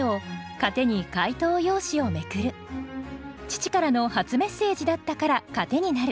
父からの初メッセージだったから糧になる。